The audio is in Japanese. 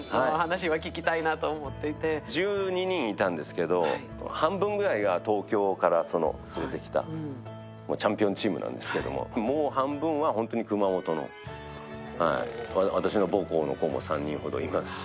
１２人いたんですけど、半分くらいが東京から連れてきたチャンピオンチームなんですけどもう半分は熊本の私の母校の子も３人ほどいますし。